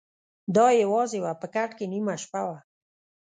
د ا یوازي وه په کټ کي نیمه شپه وه